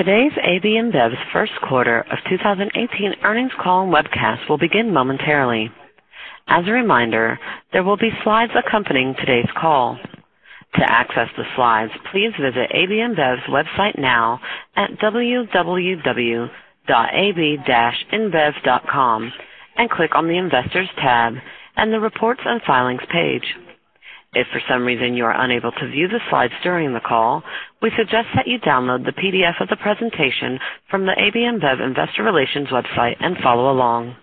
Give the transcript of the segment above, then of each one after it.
Today's AB InBev's first quarter of 2018 earnings call and webcast will begin momentarily. As a reminder, there will be slides accompanying today's call. To access the slides, please visit AB InBev's website now at www.ab-inbev.com and click on the Investors tab and the Reports and Filings page. If for some reason you are unable to view the slides during the call, we suggest that you download the PDF of the presentation from the AB InBev Investor Relations website and follow along.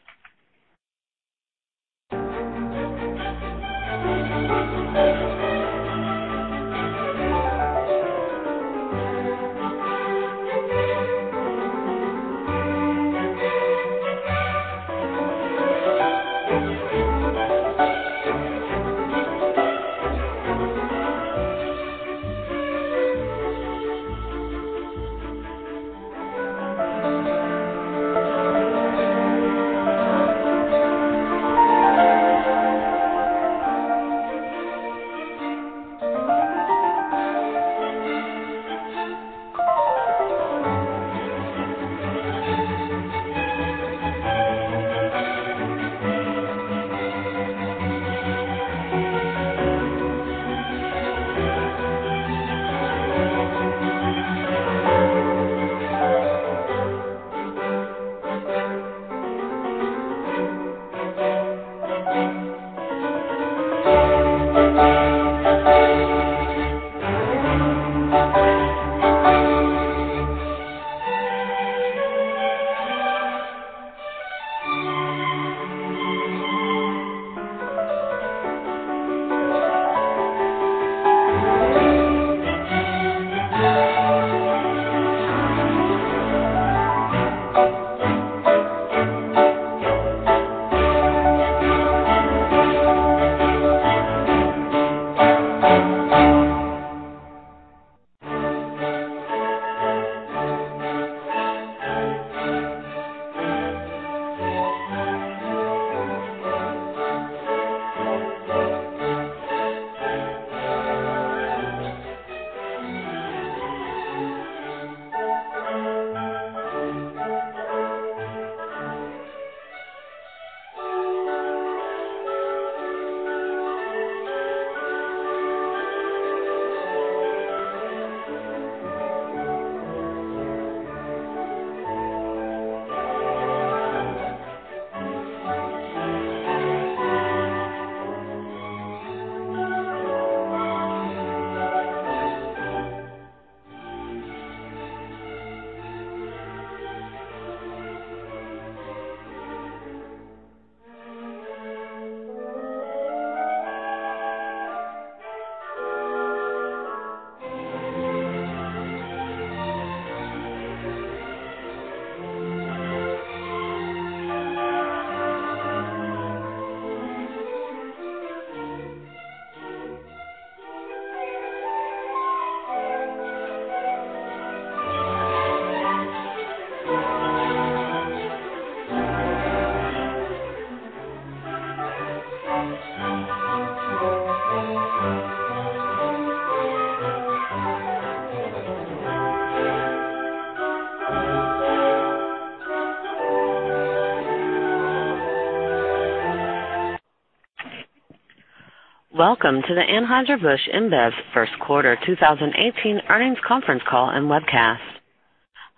Welcome to the Anheuser-Busch InBev first quarter 2018 earnings conference call and webcast.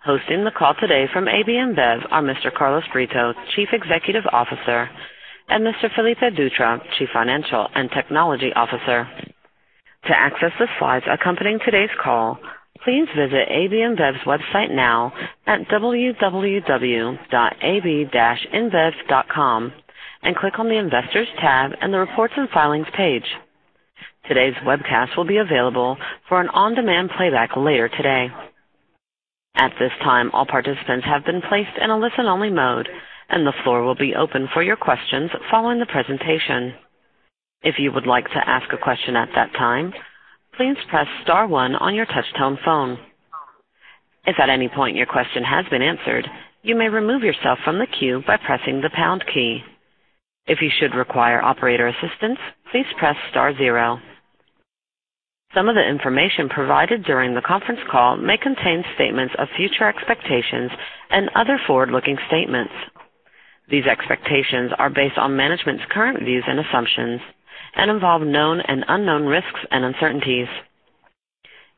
Hosting the call today from AB InBev are Mr. Carlos Brito, Chief Executive Officer, and Mr. Felipe Dutra, Chief Financial and Technology Officer. To access the slides accompanying today's call, please visit AB InBev's website now at www.ab-inbev.com and click on the Investors tab and the Reports and Filings page. Today's webcast will be available for an on-demand playback later today. At this time, all participants have been placed in a listen-only mode, and the floor will be open for your questions following the presentation. If you would like to ask a question at that time, please press star one on your touchtone phone. If at any point your question has been answered, you may remove yourself from the queue by pressing the pound key. If you should require operator assistance, please press star zero. Some of the information provided during the conference call may contain statements of future expectations and other forward-looking statements. These expectations are based on management's current views and assumptions and involve known and unknown risks and uncertainties.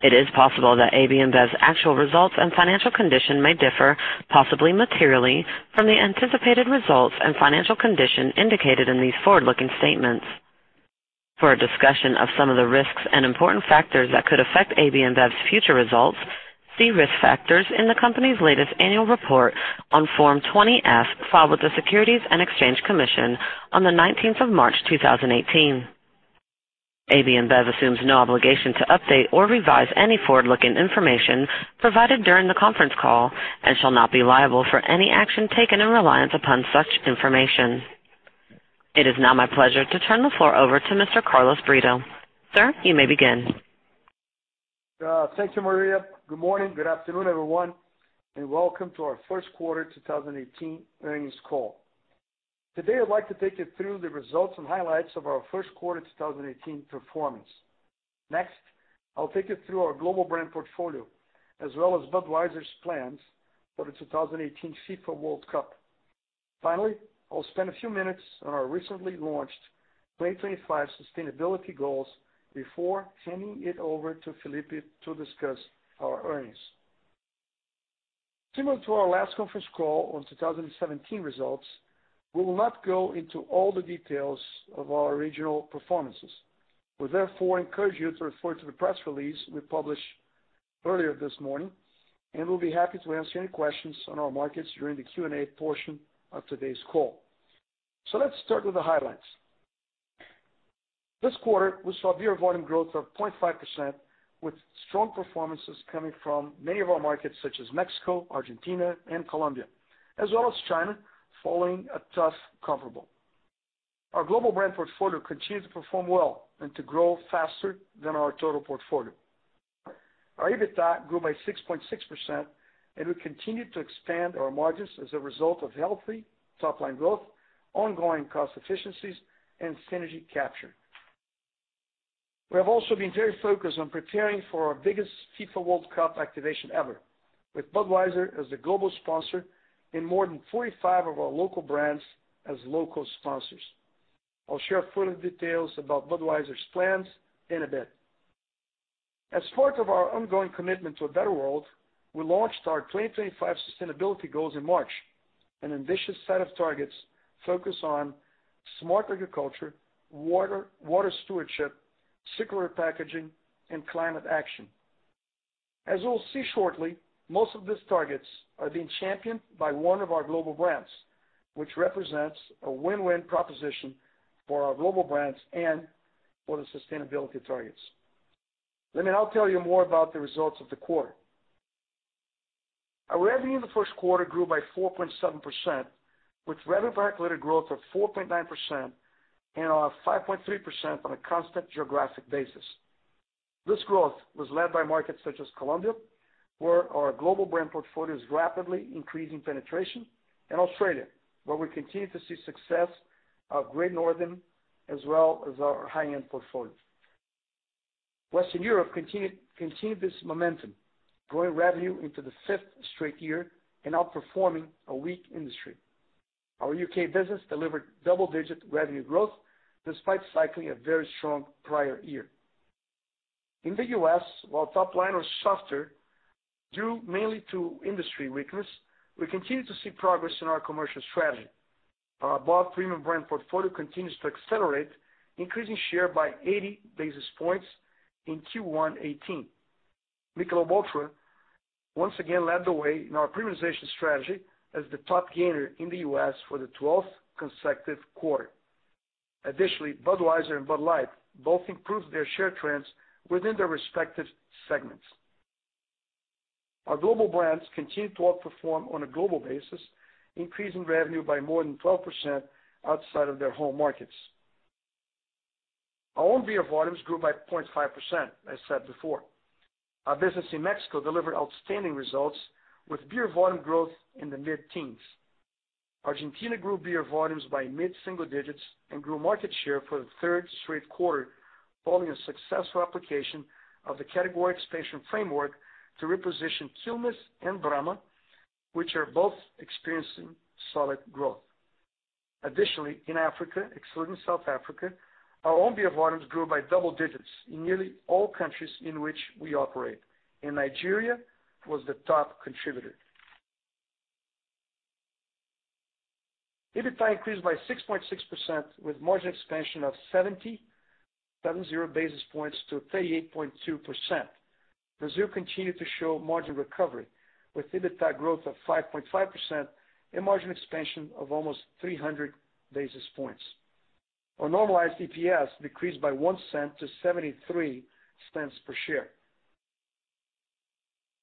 It is possible that AB InBev's actual results and financial condition may differ, possibly materially, from the anticipated results and financial condition indicated in these forward-looking statements. For a discussion of some of the risks and important factors that could affect AB InBev's future results, see risk factors in the company's latest annual report on Form 20-F filed with the Securities and Exchange Commission on the 19th of March 2018. AB InBev assumes no obligation to update or revise any forward-looking information provided during the conference call and shall not be liable for any action taken in reliance upon such information. It is now my pleasure to turn the floor over to Mr. Carlos Brito. Sir, you may begin. Thanks, Maria. Good morning, good afternoon, everyone, and welcome to our first quarter 2018 earnings call. Today, I'd like to take you through the results and highlights of our first quarter 2018 performance. Next, I'll take you through our global brand portfolio, as well as Budweiser's plans for the 2018 FIFA World Cup. Finally, I'll spend a few minutes on our recently launched 2025 sustainability goals before handing it over to Felipe to discuss our earnings. Similar to our last conference call on 2017 results, we will not go into all the details of our regional performances. We therefore encourage you to refer to the press release we published earlier this morning, and we'll be happy to answer any questions on our markets during the Q&A portion of today's call. Let's start with the highlights. This quarter, we saw beer volume growth of 0.5% with strong performances coming from many of our markets such as Mexico, Argentina, and Colombia, as well as China, following a tough comparable. Our global brand portfolio continued to perform well and to grow faster than our total portfolio. Our EBITDA grew by 6.6%, and we continued to expand our margins as a result of healthy top-line growth, ongoing cost efficiencies, and synergy capture. We have also been very focused on preparing for our biggest FIFA World Cup activation ever with Budweiser as the global sponsor and more than 45 of our local brands as local sponsors. I'll share further details about Budweiser's plans in a bit. As part of our ongoing commitment to a better world, we launched our 2025 sustainability goals in March, an ambitious set of targets focused on smart agriculture, water stewardship, circular packaging, and climate action. As we'll see shortly, most of these targets are being championed by one of our global brands, which represents a win-win proposition for our global brands and for the sustainability targets. I'll tell you more about the results of the quarter. Our revenue in the first quarter grew by 4.7%, with revenue per hectoliter growth of 4.9% and our 5.3% on a constant geographic basis. This growth was led by markets such as Colombia, where our global brand portfolio is rapidly increasing penetration, and Australia, where we continue to see success of Great Northern as well as our high-end portfolio. Western Europe continued this momentum, growing revenue into the fifth straight year and outperforming a weak industry. Our U.K. business delivered double-digit revenue growth despite cycling a very strong prior year. In the U.S., while top-line was softer due mainly to industry weakness, we continue to see progress in our commercial strategy. Our above premium brand portfolio continues to accelerate, increasing share by 80 basis points in Q1 '18. Michelob ULTRA once again led the way in our premiumization strategy as the top gainer in the U.S. for the 12th consecutive quarter. Additionally, Budweiser and Bud Light both improved their share trends within their respective segments. Our global brands continue to outperform on a global basis, increasing revenue by more than 12% outside of their home markets. Our own beer volumes grew by 0.5%, as said before. Our business in Mexico delivered outstanding results with beer volume growth in the mid-teens. Argentina grew beer volumes by mid-single digits and grew market share for the third straight quarter, following a successful application of the category expansion framework to reposition Quilmes and Brahma, which are both experiencing solid growth. Additionally, in Africa, excluding South Africa, our own beer volumes grew by double digits in nearly all countries in which we operate, and Nigeria was the top contributor. EBITDA increased by 6.6% with margin expansion of 70 basis points to 38.2%. Brazil continued to show margin recovery with EBITDA growth of 5.5% and margin expansion of almost 300 basis points. Our normalized EPS decreased by $0.01 to $0.73 per share.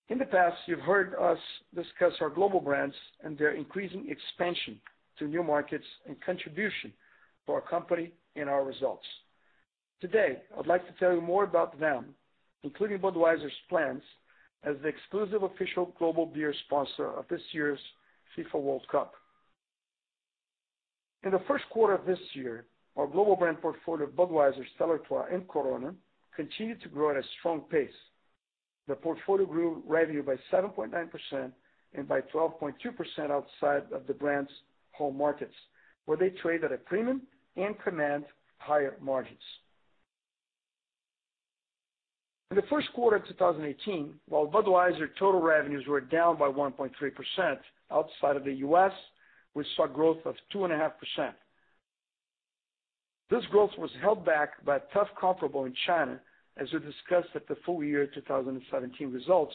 In the past, you've heard us discuss our global brands and their increasing expansion to new markets and contribution to our company and our results. Today, I'd like to tell you more about them, including Budweiser's plans as the exclusive official global beer sponsor of this year's FIFA World Cup. In the first quarter of this year, our global brand portfolio of Budweiser, Stella Artois, and Corona continued to grow at a strong pace. The portfolio grew revenue by 7.9% and by 12.2% outside of the brand's home markets, where they trade at a premium and command higher margins. In the first quarter of 2018, while Budweiser total revenues were down by 1.3%, outside of the U.S., we saw growth of 2.5%. This growth was held back by a tough comparable in China, as we discussed at the full year 2017 results,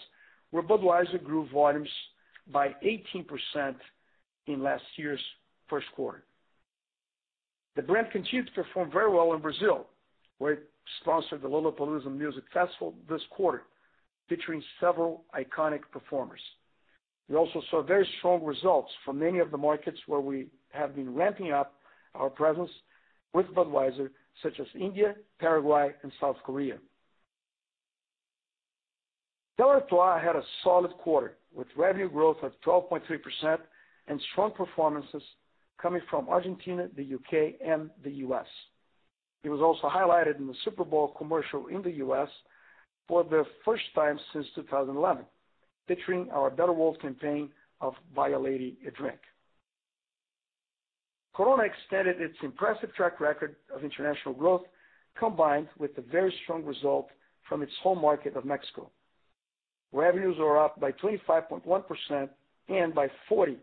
where Budweiser grew volumes by 18% in last year's first quarter. The brand continued to perform very well in Brazil, where it sponsored the Lollapalooza music festival this quarter, featuring several iconic performers. We also saw very strong results from many of the markets where we have been ramping up our presence with Budweiser, such as India, Paraguay, and South Korea. Stella Artois had a solid quarter, with revenue growth of 12.3% and strong performances coming from Argentina, the U.K., and the U.S. It was also highlighted in the Super Bowl commercial in the U.S. for the first time since 2011, featuring our Better World campaign Buy a Lady a Drink. Corona extended its impressive track record of international growth, combined with the very strong result from its home market of Mexico. Revenues are up by 25.1% and by 40.3%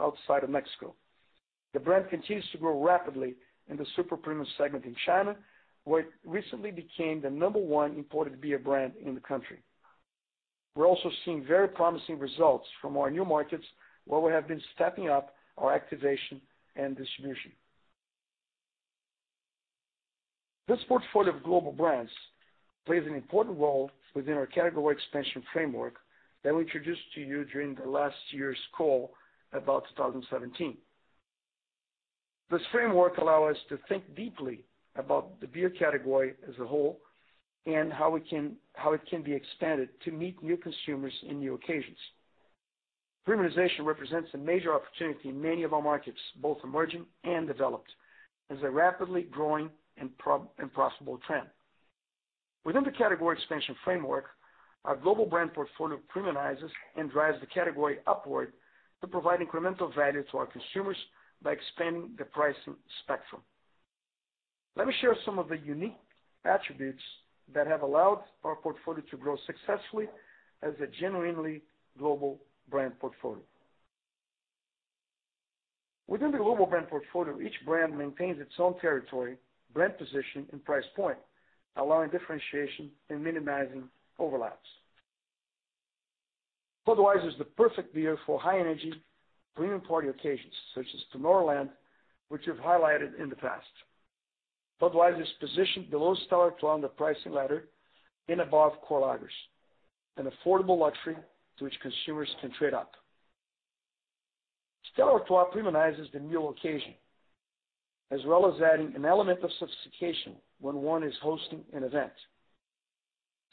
outside of Mexico. The brand continues to grow rapidly in the super premium segment in China, where it recently became the number one imported beer brand in the country. We're also seeing very promising results from our new markets, where we have been stepping up our activation and distribution. This portfolio of global brands plays an important role within our category expansion framework that we introduced to you during the last year's call about 2017. This framework allow us to think deeply about the beer category as a whole, and how it can be expanded to meet new consumers in new occasions. Premiumization represents a major opportunity in many of our markets, both emerging and developed, as a rapidly growing and profitable trend. Within the category expansion framework, our global brand portfolio premiumizes and drives the category upward to provide incremental value to our consumers by expanding the pricing spectrum. Let me share some of the unique attributes that have allowed our portfolio to grow successfully as a genuinely global brand portfolio. Within the global brand portfolio, each brand maintains its own territory, brand position, and price point, allowing differentiation and minimizing overlaps. Budweiser is the perfect beer for high energy premium party occasions, such as Tomorrowland, which we've highlighted in the past. Budweiser is positioned below Stella Artois on the pricing ladder and above core lagers, an affordable luxury to which consumers can trade up. Stella Artois premiumizes the meal occasion, as well as adding an element of sophistication when one is hosting an event.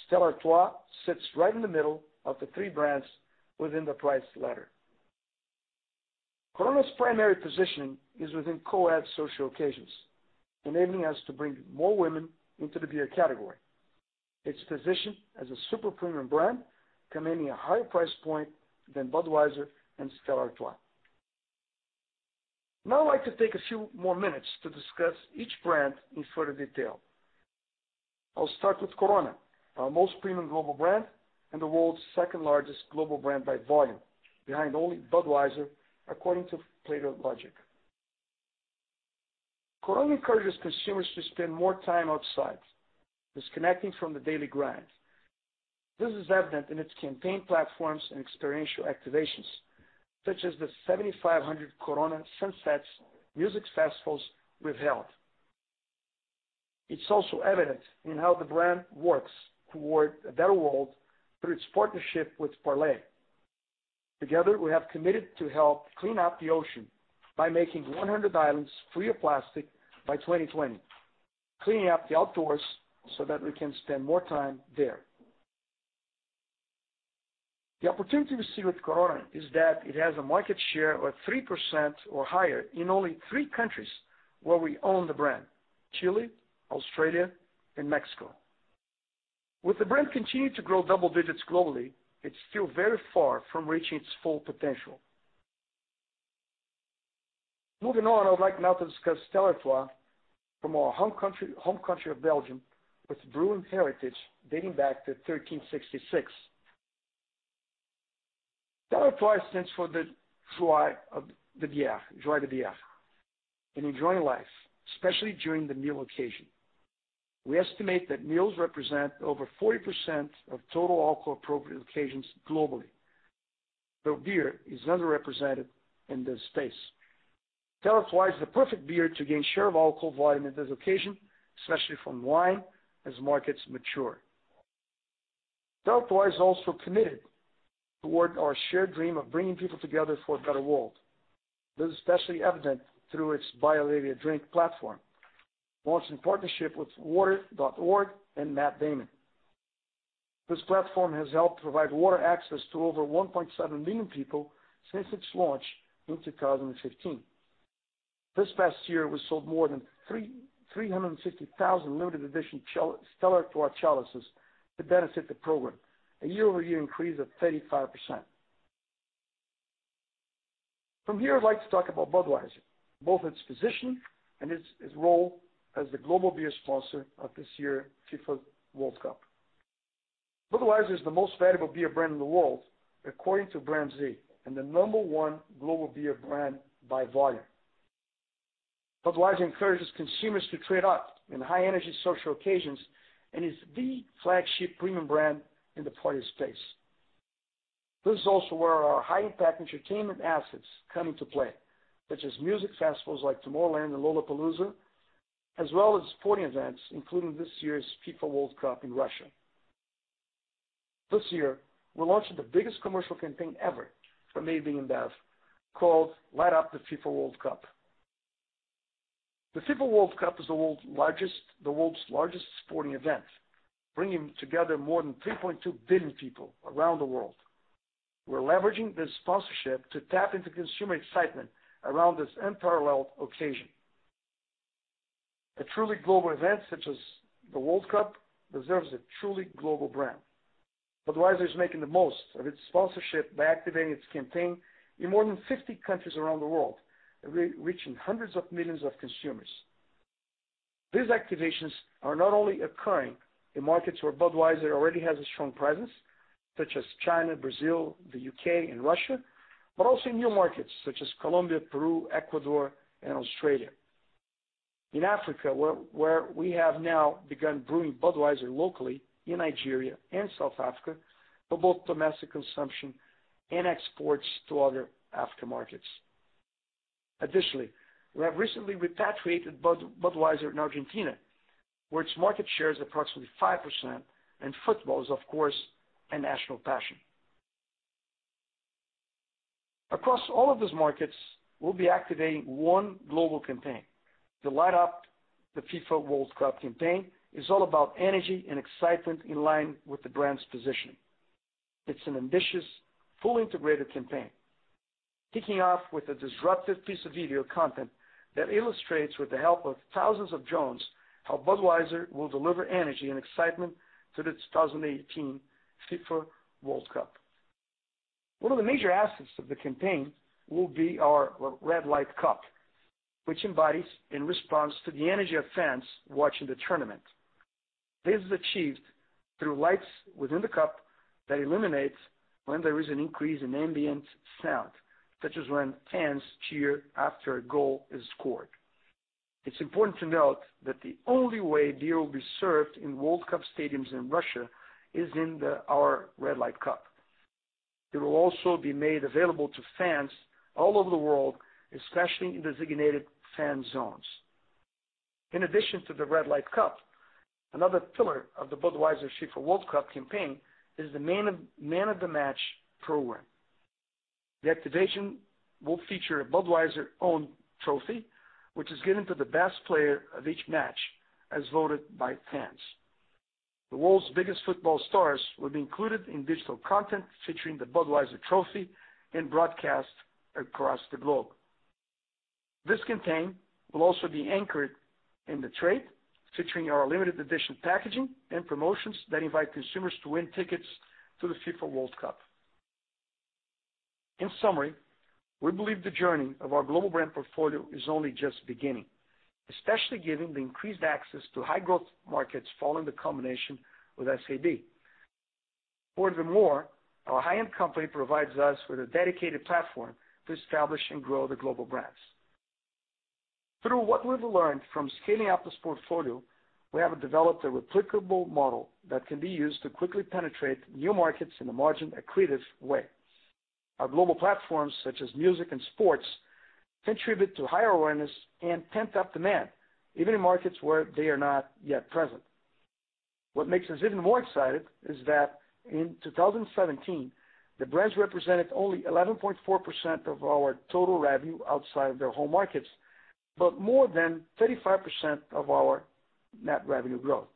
Stella Artois sits right in the middle of the three brands within the price ladder. Corona's primary positioning is within coed social occasions, enabling us to bring more women into the beer category. Its position as a super premium brand commanding a higher price point than Budweiser and Stella Artois. Now I'd like to take a few more minutes to discuss each brand in further detail. I'll start with Corona, our most premium global brand and the world's second-largest global brand by volume, behind only Budweiser, according to Plato Logic. Corona encourages consumers to spend more time outside, disconnecting from the daily grind. This is evident in its campaign platforms and experiential activations, such as the 7,500 Corona Sunsets music festivals we've held. It's also evident in how the brand works toward a better world through its partnership with Parley. Together, we have committed to help clean up the ocean by making 100 islands free of plastic by 2020, cleaning up the outdoors so that we can spend more time there. The opportunity we see with Corona is that it has a market share of 3% or higher in only three countries where we own the brand, Chile, Australia, and Mexico. With the brand continuing to grow double digits globally, it's still very far from reaching its full potential. Moving on, I would like now to discuss Stella Artois from our home country of Belgium, with brewing heritage dating back to 1366. Stella Artois stands for the joie of the bière, enjoy the bière, and enjoying life, especially during the meal occasion. We estimate that meals represent over 40% of total alcohol appropriate occasions globally. Beer is underrepresented in this space. Stella Artois is the perfect beer to gain share of alcohol volume in this occasion, especially from wine, as markets mature. Stella Artois is also committed toward our shared dream of bringing people together for a better world. This is especially evident through its Buy a Lady a Drink platform, launched in partnership with water.org and Matt Damon. This platform has helped provide water access to over 1.7 million people since its launch in 2015. This past year, we sold more than 360,000 limited edition Stella Artois chalices to benefit the program, a year-over-year increase of 35%. From here, I'd like to talk about Budweiser, both its position and its role as the global beer sponsor of this year's FIFA World Cup. Budweiser is the most valuable beer brand in the world, according to BrandZ, and the number one global beer brand by volume. Budweiser encourages consumers to trade up in high-energy social occasions and is the flagship premium brand in the party space. This is also where our high-impact entertainment assets come into play, such as music festivals like Tomorrowland and Lollapalooza, as well as sporting events, including this year's FIFA World Cup in Russia. This year, we're launching the biggest commercial campaign ever for AB InBev called Light Up the FIFA World Cup. The FIFA World Cup is the world's largest sporting event, bringing together more than 3.2 billion people around the world. We're leveraging this sponsorship to tap into consumer excitement around this unparalleled occasion. A truly global event such as the World Cup deserves a truly global brand. Budweiser is making the most of its sponsorship by activating its campaign in more than 50 countries around the world, reaching hundreds of millions of consumers. These activations are not only occurring in markets where Budweiser already has a strong presence, such as China, Brazil, the U.K., and Russia, but also in new markets such as Colombia, Peru, Ecuador, and Australia. In Africa, where we have now begun brewing Budweiser locally in Nigeria and South Africa for both domestic consumption and exports to other Africa markets. Additionally, we have recently repatriated Budweiser in Argentina, where its market share is approximately 5%, and football is, of course, a national passion. Across all of these markets, we'll be activating one global campaign. The Light Up the FIFA World Cup campaign is all about energy and excitement in line with the brand's position. It's an ambitious, fully integrated campaign, kicking off with a disruptive piece of video content that illustrates, with the help of thousands of drones, how Budweiser will deliver energy and excitement to the 2018 FIFA World Cup. One of the major assets of the campaign will be our Red Light Cup, which embodies in response to the energy of fans watching the tournament. This is achieved through lights within the cup that illuminate when there is an increase in ambient sound, such as when fans cheer after a goal is scored. It's important to note that the only way beer will be served in World Cup stadiums in Russia is in our Red Light Cup. It will also be made available to fans all over the world, especially in designated fan zones. In addition to the Red Light Cup, another pillar of the Budweiser FIFA World Cup campaign is the Man of the Match program. The activation will feature a Budweiser-owned trophy, which is given to the best player of each match as voted by fans. The world's biggest football stars will be included in digital content featuring the Budweiser trophy and broadcast across the globe. This campaign will also be anchored in the trade, featuring our limited edition packaging and promotions that invite consumers to win tickets to the FIFA World Cup. In summary, we believe the journey of our global brand portfolio is only just beginning, especially given the increased access to high-growth markets following the combination with SAB. Furthermore, our high-end company provides us with a dedicated platform to establish and grow the global brands. Through what we've learned from scaling up this portfolio, we have developed a replicable model that can be used to quickly penetrate new markets in a margin-accretive way. Our global platforms, such as music and sports, contribute to higher awareness and pent-up demand, even in markets where they are not yet present. What makes us even more excited is that in 2017, the brands represented only 11.4% of our total revenue outside of their home markets, but more than 35% of our net revenue growth.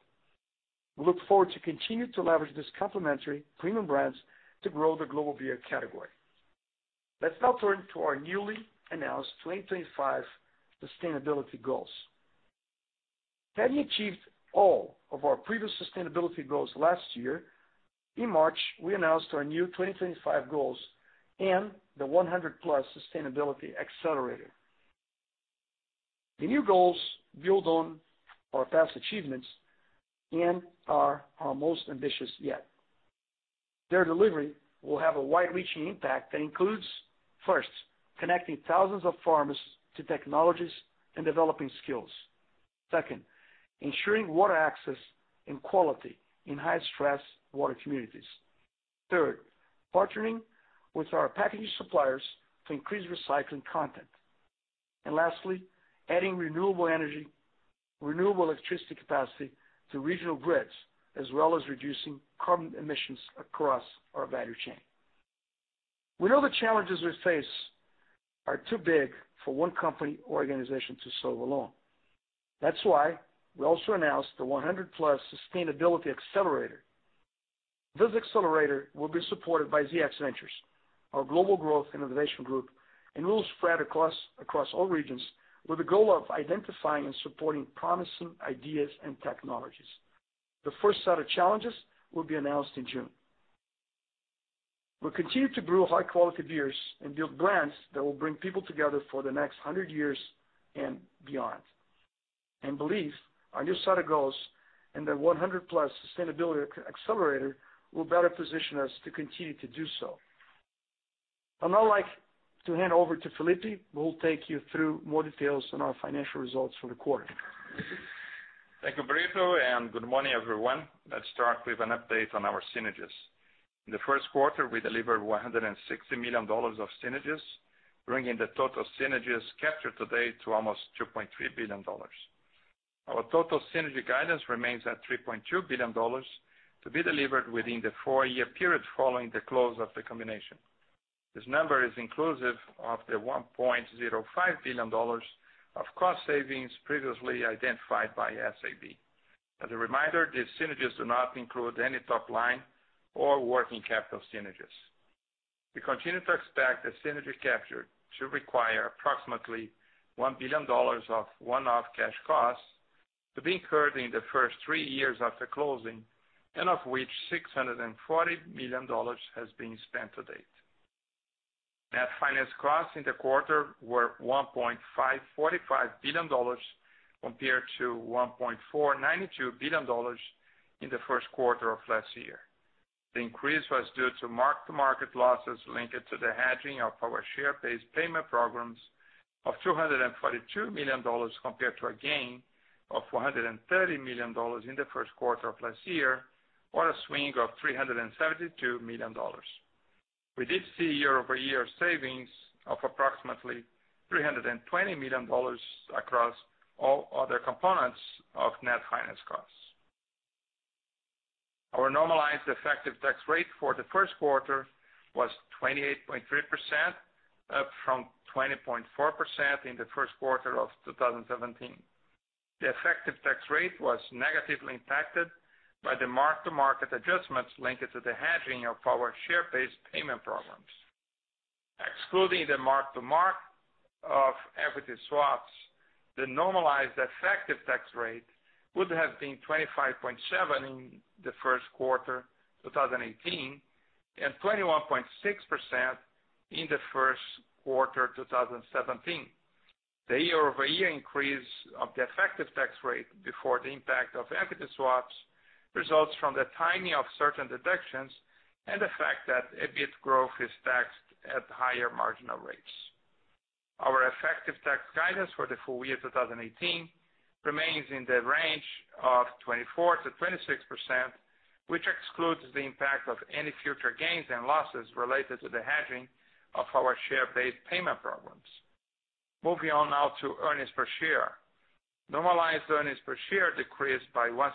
We look forward to continue to leverage these complementary premium brands to grow the global beer category. Let's now turn to our newly announced 2025 sustainability goals. Having achieved all of our previous sustainability goals last year, in March, we announced our new 2025 goals and the 100+ Accelerator. The new goals build on our past achievements and are our most ambitious yet. Their delivery will have a wide-reaching impact that includes, first, connecting thousands of farmers to technologies and developing skills. Second, ensuring water access and quality in high-stress water communities. Third, partnering with our package suppliers to increase recycling content. Lastly, adding renewable energy, renewable electricity capacity to regional grids, as well as reducing carbon emissions across our value chain. We know the challenges we face are too big for one company or organization to solve alone. That is why we also announced the 100+ sustainability Accelerator. This Accelerator will be supported by ZX Ventures, our global growth and innovation group, and will spread across all regions with the goal of identifying and supporting promising ideas and technologies. The first set of challenges will be announced in June. We will continue to brew high-quality beers and build brands that will bring people together for the next 100 years and beyond. Believe our new set of goals and the 100+ sustainability Accelerator will better position us to continue to do so. I would now like to hand over to Felipe, who will take you through more details on our financial results for the quarter. Thank you, Brito. Good morning, everyone. Let us start with an update on our synergies. In the first quarter, we delivered EUR 160 million of synergies, bringing the total synergies captured today to almost EUR 2.3 billion. Our total synergy guidance remains at EUR 3.2 billion to be delivered within the four-year period following the close of the combination. This number is inclusive of the EUR 1.05 billion of cost savings previously identified by SAB. As a reminder, these synergies do not include any top-line or working capital synergies. We continue to expect the synergy captured to require approximately EUR 1 billion of one-off cash costs to be incurred in the first three years after closing, of which EUR 640 million has been spent to date. Net finance costs in the quarter were EUR 1.545 billion compared to EUR 1.492 billion in the first quarter of last year. The increase was due to mark-to-market losses linked to the hedging of our share-based payment programs of EUR 242 million compared to a gain of EUR 430 million in the first quarter of last year, or a swing of EUR 372 million. We did see year-over-year savings of approximately EUR 320 million across all other components of net finance costs. Our normalized effective tax rate for the first quarter was 28.3%, up from 20.4% in the first quarter of 2017. The effective tax rate was negatively impacted by the mark-to-market adjustments linked to the hedging of our share-based payment programs. Excluding the mark-to-market of equity swaps, the normalized effective tax rate would have been 25.7% in the first quarter 2018, 21.6% in the first quarter 2017. The year-over-year increase of the effective tax rate before the impact of equity swaps results from the timing of certain deductions and the fact that EBIT growth is taxed at higher marginal rates. Our effective tax guidance for the full year 2018 remains in the range of 24%-26%, which excludes the impact of any future gains and losses related to the hedging of our share-based payment programs. Moving on now to Earnings per share. Normalized Earnings per share decreased by $0.01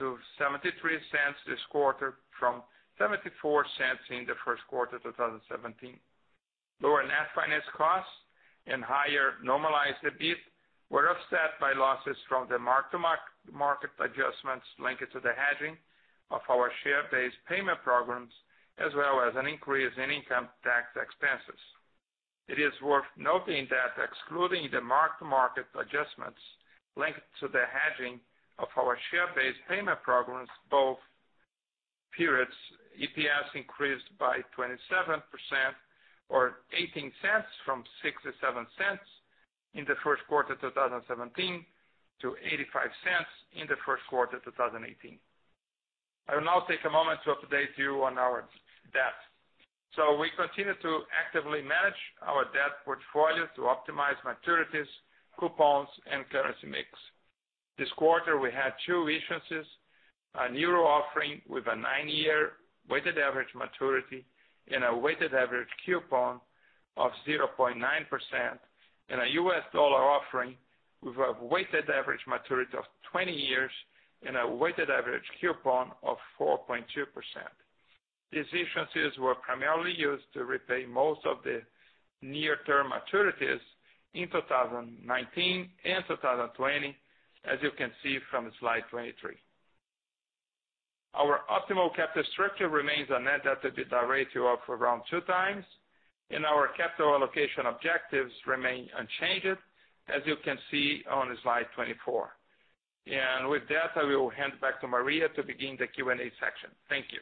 to $0.73 this quarter from $0.74 in the first quarter 2017. Lower net finance costs and higher normalized EBIT were offset by losses from the mark-to-market adjustments linked to the hedging of our share-based payment programs, as well as an increase in income tax expenses. It is worth noting that excluding the mark-to-market adjustments linked to the hedging of our share-based payment programs, both periods, EPS increased by 27% or $0.18 from $0.67 in the first quarter 2017 to $0.85 in the first quarter 2018. We continue to actively manage our debt portfolio to optimize maturities, coupons, and currency mix. This quarter, we had two issuances, a Euro offering with a nine-year weighted average maturity and a weighted average coupon of 0.9%, and a U.S. dollar offering with a weighted average maturity of 20 years and a weighted average coupon of 4.2%. These issuances were primarily used to repay most of the near-term maturities in 2019 and 2020, as you can see from slide 23. Our optimal capital structure remains a net debt-to-EBITDA ratio of around two times, and our capital allocation objectives remain unchanged, as you can see on slide 24. With that, I will hand back to Maria to begin the Q&A section. Thank you.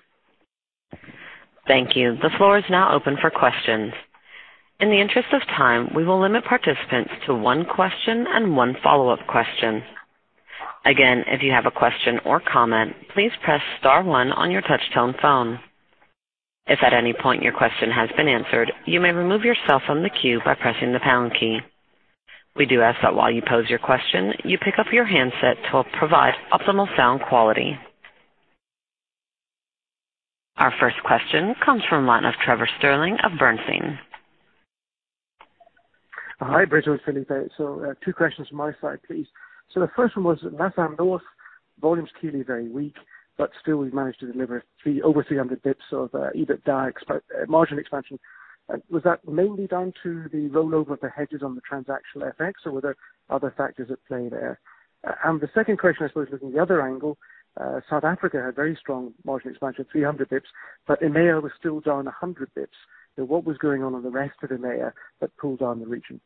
Thank you. The floor is now open for questions. In the interest of time, we will limit participants to one question and one follow-up question. Again, if you have a question or comment, please press *1 on your touch-tone phone. If at any point your question has been answered, you may remove yourself from the queue by pressing the # key. We do ask that while you pose your question, you pick up your handset to provide optimal sound quality. Our first question comes from the line of Trevor Stirling of Bernstein. Hi, Brito and Felipe. Two questions from my side, please. The first one was Latin North, volume's clearly very weak, but still we've managed to deliver over 300 basis points of EBITDA margin expansion. Was that mainly down to the rollover of the hedges on the transactional FX, or were there other factors at play there? The second question, I suppose, looking at the other angle, South Africa had very strong margin expansion, 300 basis points, but EMEA was still down 100 basis points. What was going on in the rest of EMEA that pulled down the region?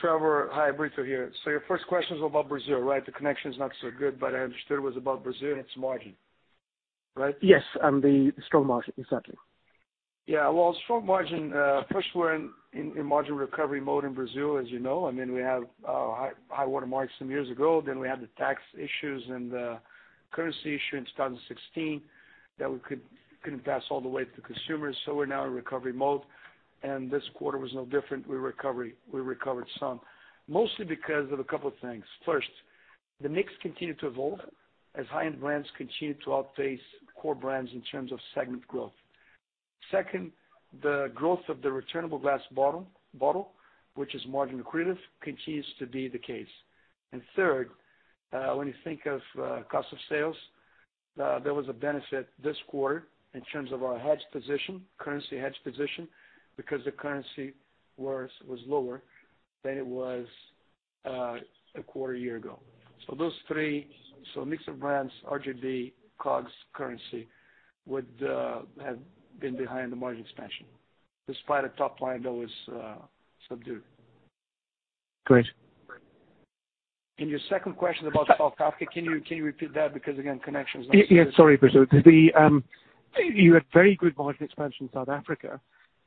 Trevor, hi, Brito here. Your first question was about Brazil, right? The connection is not so good, but I understood it was about Brazil and its margin. Right? Yes, the strong margin. Exactly. Well, strong margin. First, we're in margin recovery mode in Brazil, as you know. We have high water marks some years ago. We had the tax issues and the currency issue in 2016 that we couldn't pass all the way to consumers. We're now in recovery mode, and this quarter was no different. We recovered some, mostly because of a couple things. First, the mix continued to evolve as high-end brands continued to outpace core brands in terms of segment growth. Second, the growth of the returnable glass bottle, which is margin accretive, continues to be the case. Third, when you think of cost of sales, there was a benefit this quarter in terms of our currency hedge position because the currency was lower than it was a quarter a year ago. Those three, mix of brands, RGB, COGS, currency, would have been behind the margin expansion, despite a top line that was subdued. Great. Your second question about South Africa, can you repeat that? Because again, connection's not so good. Sorry, Brito. You had very good margin expansion in South Africa,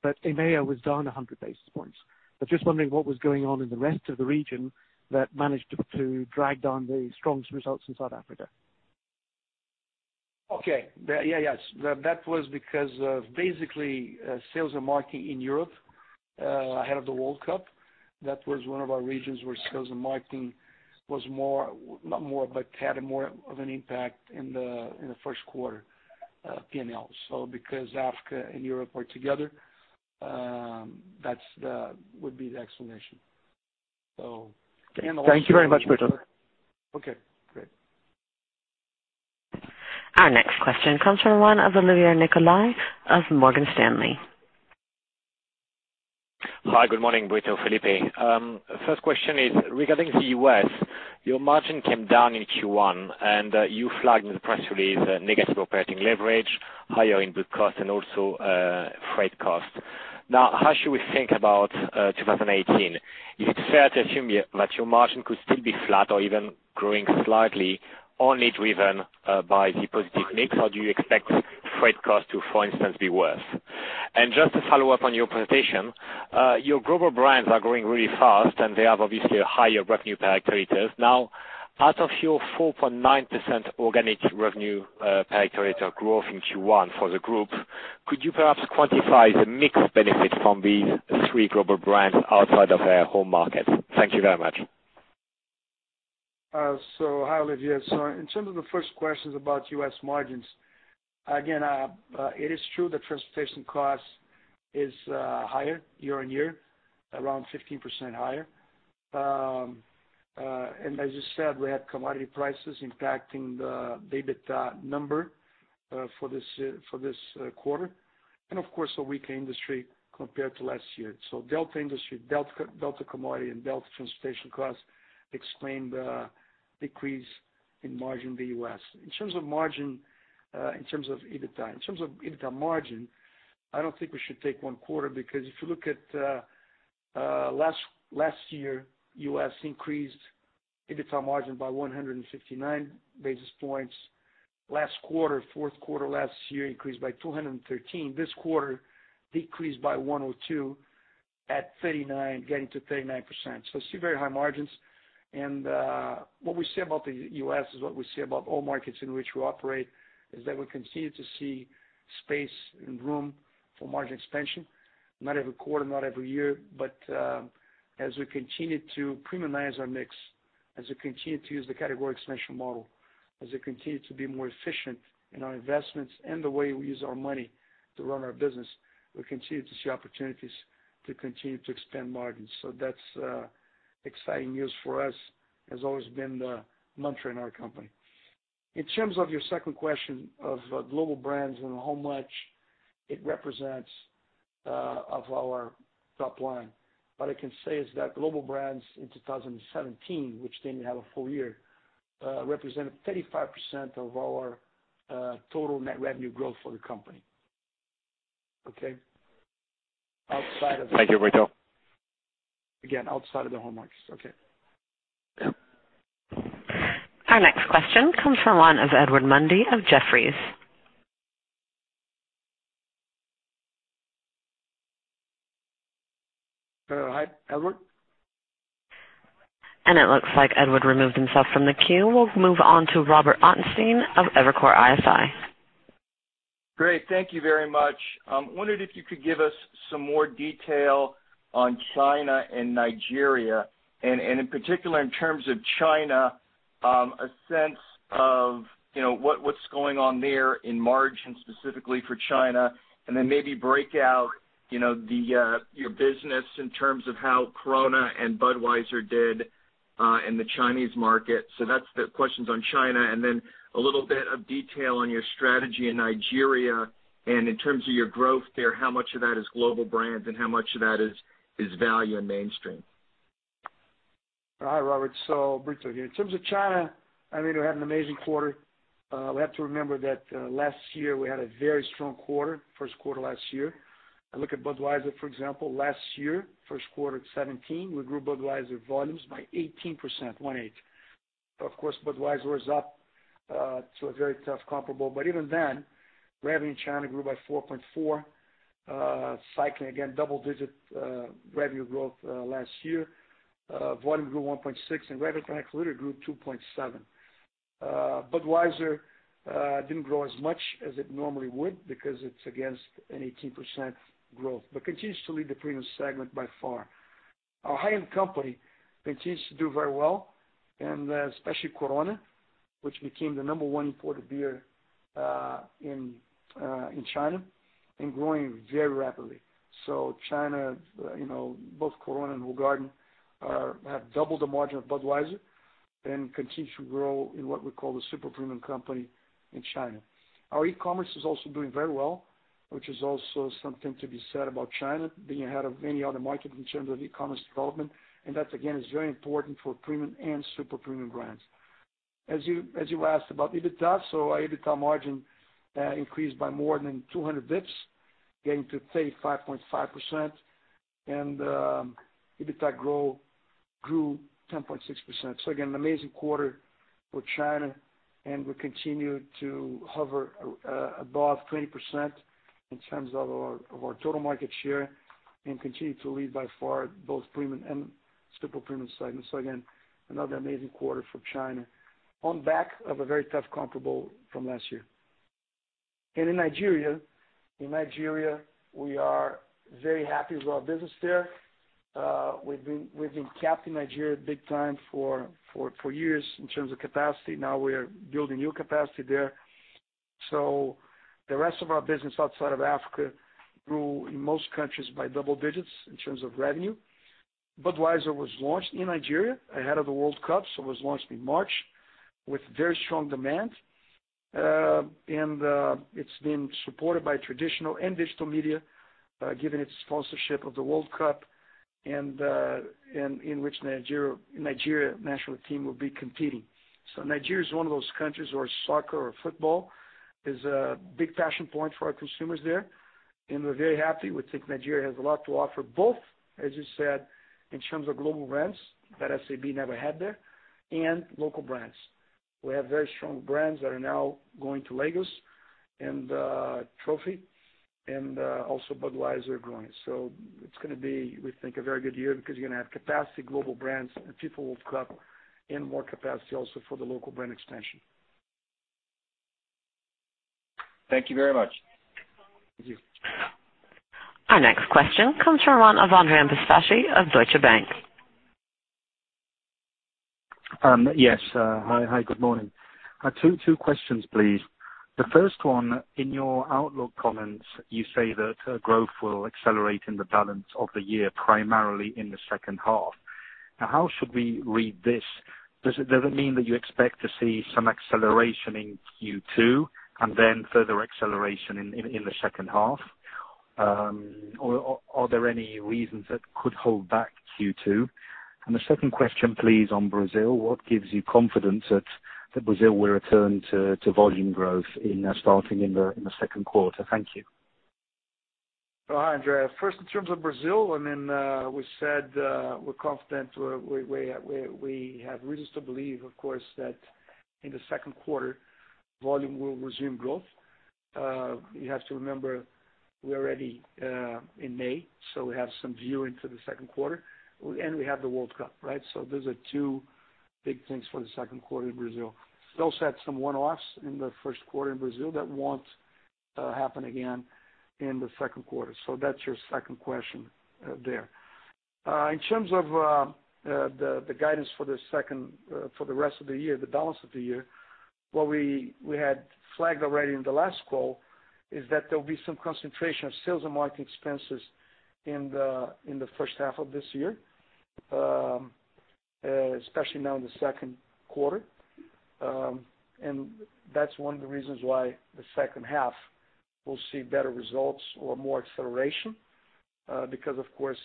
EMEA was down 100 basis points. I was just wondering what was going on in the rest of the region that managed to drag down the strong results in South Africa. That was because of basically sales and marketing in Europe ahead of the World Cup. That was one of our regions where sales and marketing had more of an impact in the first quarter P&L. Because Africa and Europe are together, that would be the explanation. Thank you very much, Brito. Okay, great. Our next question comes from the line of Olivier Nicolai of Morgan Stanley. Hi. Good morning, Brito, Felipe. First question is regarding the U.S. Your margin came down in Q1, and you flagged in the press release negative operating leverage, higher input costs, and also freight costs. Now, how should we think about 2018? Is it fair to assume that your margin could still be flat or even growing slightly only driven by the positive mix? Do you expect freight costs to, for instance, be worse? Just to follow up on your presentation, your global brands are growing really fast, and they have obviously a higher revenue per hectoliter. Now, out of your 4.9% organic revenue per hectoliter growth in Q1 for the group, could you perhaps quantify the mix benefit from these three global brands outside of their home market? Thank you very much. Hi, Olivier. In terms of the first questions about U.S. margins, again it is true that transportation cost is higher year-on-year, around 15% higher. As you said, we had commodity prices impacting the EBITDA number for this quarter. Of course, a weaker industry compared to last year. Delta industry, delta commodity, and delta transportation costs explain the decrease in margin in the U.S. In terms of EBITDA margin, I don't think we should take one quarter, because if you look at last year, U.S. increased EBITDA margin by 159 basis points. Last quarter, fourth quarter last year increased by 213. This quarter decreased by 102 at 39, getting to 39%. Still very high margins. What we say about the U.S. is what we say about all markets in which we operate, is that we continue to see space and room for margin expansion. Not every quarter, not every year, as we continue to premiumize our mix, as we continue to use the category expansion model, as we continue to be more efficient in our investments and the way we use our money to run our business, we continue to see opportunities to continue to expand margins. That's exciting news for us. Has always been the mantra in our company. In terms of your second question of global brands and how much it represents of our top line, what I can say is that global brands in 2017, which didn't have a full year represented 35% of our total net revenue growth for the company. Okay? Thank you, Brito. Again, outside of the home markets. Okay. Our next question comes from the line of Edward Mundy of Jefferies. Hi, Edward. It looks like Edward removed himself from the queue. We'll move on to Robert Ottenstein of Evercore ISI. Great. Thank you very much. Wondered if you could give us some more detail on China and Nigeria, and in particular in terms of China, a sense of what's going on there in margin, specifically for China. Then maybe break out your business in terms of how Corona and Budweiser did in the Chinese market. That's the questions on China. Then a little bit of detail on your strategy in Nigeria and in terms of your growth there, how much of that is global brands and how much of that is value and mainstream? Hi, Robert. Brito here. In terms of China, we had an amazing quarter. We have to remember that last year we had a very strong quarter, first quarter last year. Look at Budweiser, for example. Last year, first quarter 2017, we grew Budweiser volumes by 18%. Of course, Budweiser is up to a very tough comparable. Even then, revenue in China grew by 4.4%, cycling again, double-digit revenue growth last year. Volume grew 1.6% and net revenue per hectoliter grew 2.7%. Budweiser didn't grow as much as it normally would because it's against an 18% growth, but continues to lead the premium segment by far. Our high-end company continues to do very well, and especially Corona, which became the number one imported beer in China, and growing very rapidly. China, both Corona and Hoegaarden have doubled the margin of Budweiser and continue to grow in what we call the super premium segment in China. Our e-commerce is also doing very well, which is also something to be said about China being ahead of any other market in terms of e-commerce development. That, again, is very important for premium and super premium brands. As you asked about EBITDA, our EBITDA margin increased by more than 200 basis points, getting to 35.5%, and EBITDA grew 10.6%. Again, an amazing quarter for China, and we continue to hover above 20% in terms of our total market share and continue to lead by far both premium and super premium segments. Again, another amazing quarter for China on back of a very tough comparable from last year. In Nigeria, we are very happy with our business there. We've been capped in Nigeria big time for years in terms of capacity. Now we are building new capacity there. The rest of our business outside of Africa grew in most countries by double digits in terms of revenue. Budweiser was launched in Nigeria ahead of the FIFA World Cup, it was launched in March with very strong demand. It's been supported by traditional and digital media, given its sponsorship of the FIFA World Cup in which Nigeria national team will be competing. Nigeria is one of those countries where soccer or football is a big passion point for our consumers there, and we're very happy. We think Nigeria has a lot to offer both, as you said, in terms of global brands that SABMiller never had there and local brands. We have very strong brands that are now going to Lagos and Trophy and also Budweiser growing. It's going to be, we think, a very good year because you're going to have capacity, global brands, the FIFA World Cup and more capacity also for the local brand expansion. Thank you very much. Thank you. Our next question comes from Andrea Pistacchi of Deutsche Bank. Yes. Hi. Good morning. Two questions, please. The first one, in your outlook comments, you say that growth will accelerate in the balance of the year, primarily in the second half. How should we read this? Does it mean that you expect to see some acceleration in Q2 and further acceleration in the second half? Are there any reasons that could hold back Q2? The second question, please, on Brazil. What gives you confidence that Brazil will return to volume growth starting in the second quarter? Thank you. Hi, Andrea. First, in terms of Brazil, we said we're confident, we have reasons to believe, of course, that in the second quarter, volume will resume growth. You have to remember we're already in May, so we have some view into the second quarter, and we have the World Cup, right? Those are two big things for the second quarter in Brazil. Those had some one-offs in the first quarter in Brazil that won't happen again in the second quarter. That's your second question there. In terms of the guidance for the rest of the year, the balance of the year, what we had flagged already in the last call is that there'll be some concentration of sales and marketing expenses in the first half of this year, especially now in the second quarter. That's one of the reasons why the second half will see better results or more acceleration because, of course,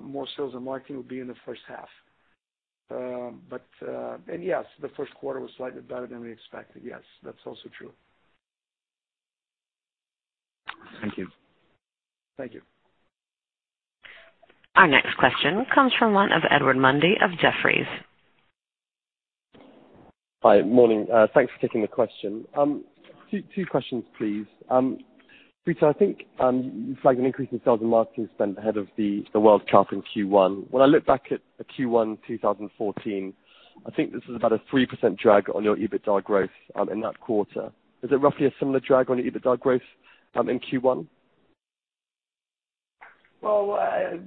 more sales and marketing will be in the first half. Yes, the first quarter was slightly better than we expected. Yes, that's also true. Thank you. Thank you. Our next question comes from Edward Mundy of Jefferies. Hi. Morning. Thanks for taking the question. Two questions, please. Brito, I think you flagged an increase in sales and marketing spend ahead of the World Cup in Q1. When I look back at Q1 2014, I think this was about a 3% drag on your EBITDA growth in that quarter. Is it roughly a similar drag on your EBITDA growth in Q1?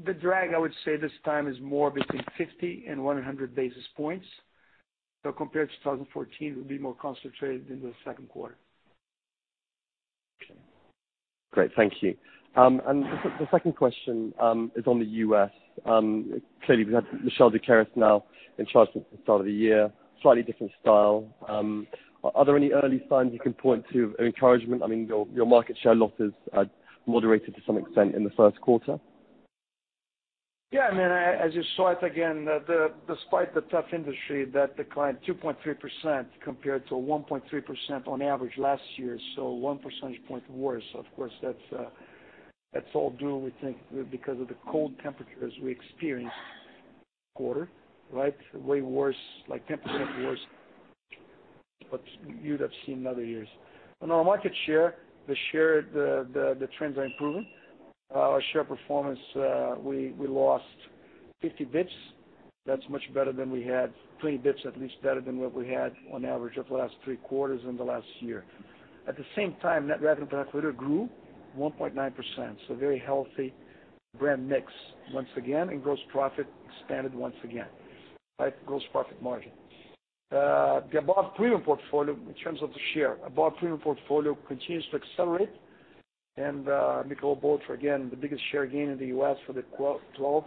The drag, I would say this time is more between 50 and 100 basis points. Compared to 2014, it will be more concentrated in the second quarter. Great. Thank you. The second question is on the U.S. Clearly, we've had Michel Doukeris now in charge since the start of the year, slightly different style. Are there any early signs you can point to of encouragement? Your market share losses moderated to some extent in the first quarter. Yeah, as you saw it again, despite the tough industry that declined 2.3% compared to 1.3% on average last year, one percentage point worse. Of course, that's all due, we think, because of the cold temperatures we experienced quarter. Way worse, like 10% worse, what you'd have seen in other years. On our market share, the trends are improving. Our share performance, we lost 50 basis points. That's much better than we had, 20 basis points at least better than what we had on average of the last three quarters in the last year. At the same time, net revenue per hectoliter grew 1.9%, very healthy brand mix once again and gross profit expanded once again. Gross profit margin. The above premium portfolio in terms of the share, above premium portfolio continues to accelerate and Michelob ULTRA, again, the biggest share gain in the U.S. for the 12th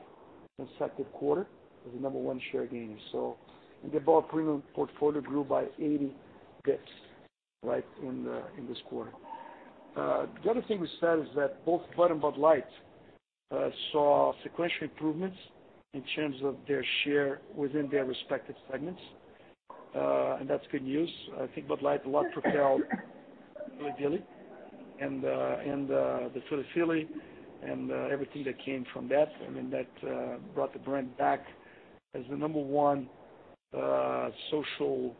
consecutive quarter. We're the number one share gainer. The above premium portfolio grew by 80 basis points in this quarter. The other thing we said is that both Budweiser and Bud Light saw sequential improvements in terms of their share within their respective segments. That's good news. I think Bud Light, a lot propelled Dilly Dilly and the Dilly Dilly and everything that came from that. That brought the brand back as the number one social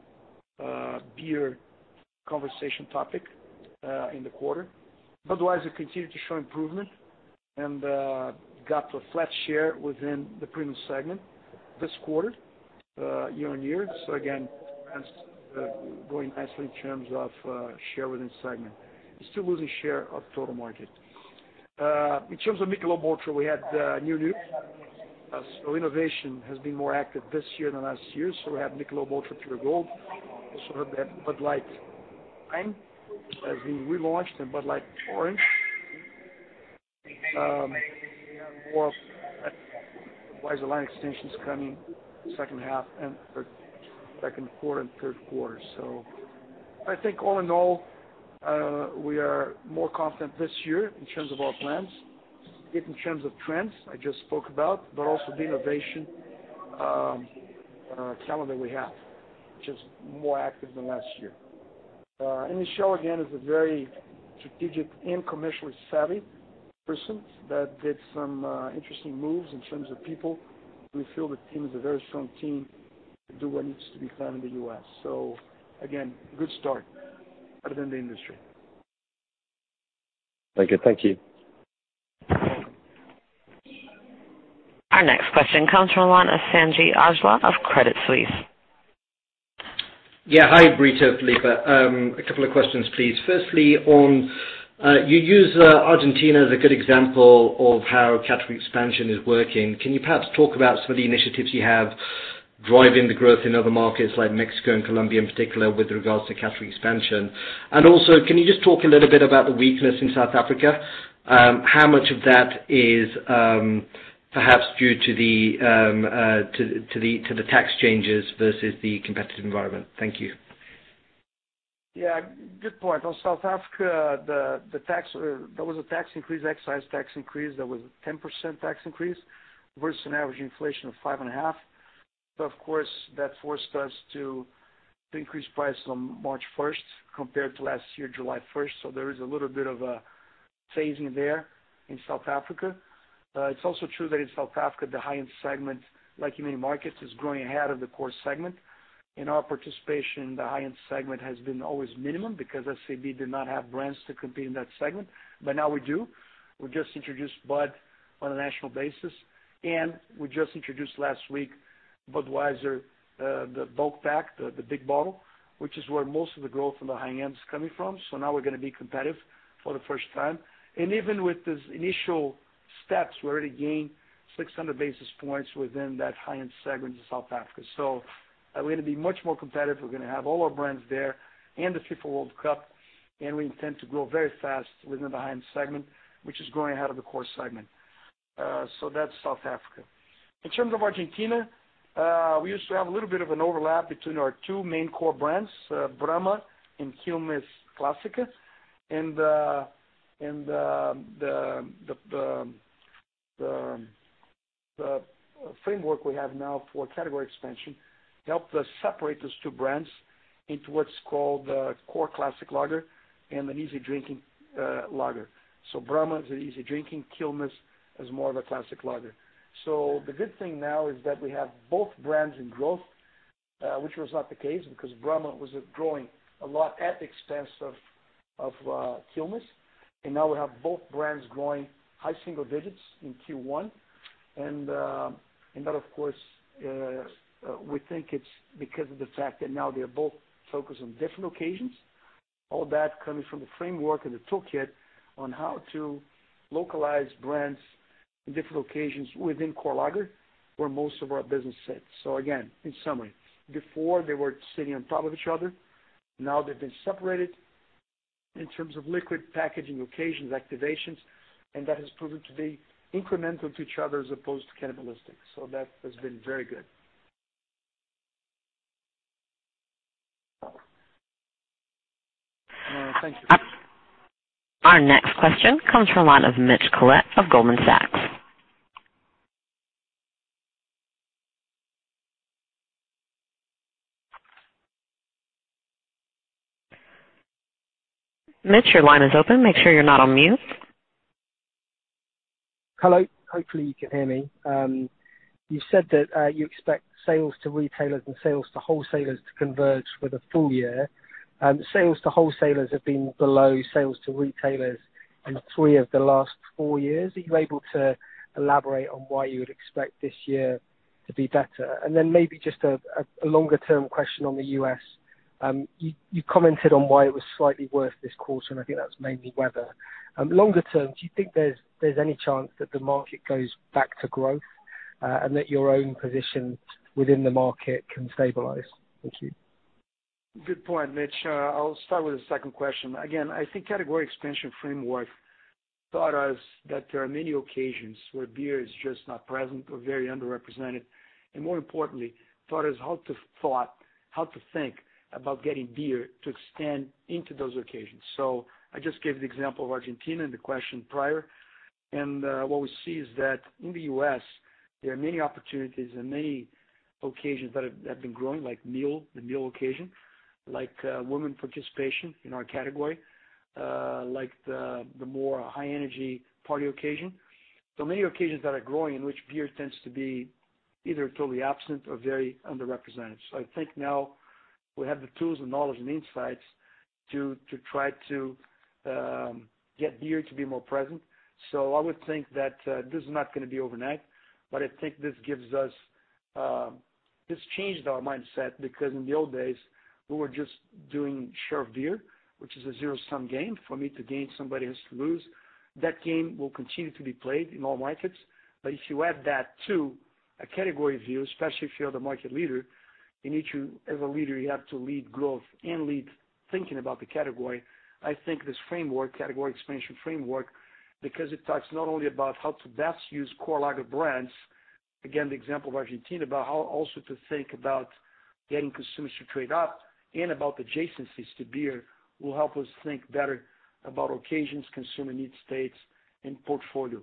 beer conversation topic in the quarter. Budweiser continued to show improvement and got to a flat share within the premium segment this quarter year-on-year. Again, brands going nicely in terms of share within segment. We're still losing share of total market. In terms of Michelob ULTRA, we had new news. Innovation has been more active this year than last year. We had Michelob ULTRA Pure Gold. Also heard that Bud Light Lime has been relaunched and Bud Light Orange. More Budweiser line extensions coming second quarter and third quarter. I think all in all, we are more confident this year in terms of our plans, in terms of trends, I just spoke about, but also the innovation calendar we have, which is more active than last year. Michel again is a very strategic and commercially savvy person that did some interesting moves in terms of people. We feel the team is a very strong team to do what needs to be done in the U.S. Again, good start other than the industry. Thank you. Our next question comes from the line of Sanjeet Aujla of Credit Suisse. Yeah. Hi, Brito, Felipe. A couple of questions, please. Firstly, you use Argentina as a good example of how category expansion is working. Can you perhaps talk about some of the initiatives you have driving the growth in other markets like Mexico and Colombia in particular with regards to category expansion? Also, can you just talk a little bit about the weakness in South Africa? How much of that is perhaps due to the tax changes versus the competitive environment? Thank you. Yeah. Good point. On South Africa, there was a tax increase, excise tax increase, that was a 10% tax increase versus an average inflation of 5.5%. Of course, that forced us to increase price on March 1st compared to last year, July 1st. There is a little bit of a phasing there in South Africa. It's also true that in South Africa, the high-end segment, like in many markets, is growing ahead of the core segment. Our participation in the high-end segment has been always minimum because SABMiller did not have brands to compete in that segment. Now we do. We just introduced Budweiser on a national basis, and we just introduced last week Budweiser, the bulk pack, the big bottle, which is where most of the growth in the high-end is coming from. Now we're going to be competitive for the first time. Even with these initial steps, we already gained 600 basis points within that high-end segment in South Africa. We're going to be much more competitive. We're going to have all our brands there and the FIFA World Cup, we intend to grow very fast within the high-end segment, which is growing ahead of the core segment. That's South Africa. In terms of Argentina, we used to have a little bit of an overlap between our two main core brands, Brahma and Quilmes Clásica. The framework we have now for category expansion helped us separate those two brands into what's called a core classic lager and an easy-drinking lager. Brahma is an easy drinking, Quilmes is more of a classic lager. The good thing now is that we have both brands in growth, which was not the case because Brahma was growing a lot at the expense of Quilmes. Now we have both brands growing high single digits in Q1. That, of course, we think it's because of the fact that now they're both focused on different occasions, all that coming from the framework and the toolkit on how to localize brands in different occasions within core lager, where most of our business sits. Again, in summary, before they were sitting on top of each other. Now they've been separated in terms of liquid packaging occasions, activations, and that has proven to be incremental to each other as opposed to cannibalistic. That has been very good. Thank you. Our next question comes from the line of Mitchell Collett of Goldman Sachs. Mitch, your line is open. Make sure you're not on mute. Hello. Hopefully, you can hear me. You said that you expect sales to retailers and sales to wholesalers to converge for the full year. Sales to wholesalers have been below sales to retailers in three of the last four years. Are you able to elaborate on why you would expect this year to be better? Then maybe just a longer-term question on the U.S. You commented on why it was slightly worse this quarter, I think that's mainly weather. Longer term, do you think there's any chance that the market goes back to growth and that your own position within the market can stabilize? Thank you. Good point, Mitch. I'll start with the second question. Again, I think category expansion framework taught us that there are many occasions where beer is just not present or very underrepresented, and more importantly, taught us how to think about getting beer to extend into those occasions. I just gave the example of Argentina in the question prior. What we see is that in the U.S., there are many opportunities and many occasions that have been growing, like meal, the meal occasion, like women participation in our category, like the more high energy party occasion. Many occasions that are growing in which beer tends to be either totally absent or very underrepresented. I think now we have the tools and knowledge and insights to try to get beer to be more present. I would think that this is not going to be overnight, I think this changed our mindset because in the old days, we were just doing share of beer, which is a zero-sum game. For me to gain, somebody has to lose. That game will continue to be played in all markets. If you add that to a category view, especially if you're the market leader, as a leader, you have to lead growth and lead thinking about the category. I think this category expansion framework, because it talks not only about how to best use core lager brands, again, the example of Argentina, but how also to think about getting consumers to trade up and about adjacencies to beer will help us think better about occasions, consumer need states, and portfolio.